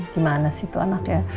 gimana sih tuh anak ya